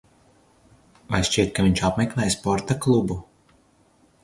Vai šķiet, ka viņš apmeklē sporta klubu?